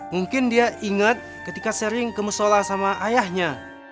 mungkin dia inget ketika sering kamu sholat sama ayahnya